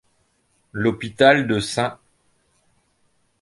L'hôpital de St.